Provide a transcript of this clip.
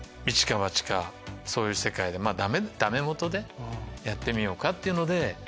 そういう世界でダメもとでやってみようかっていうので。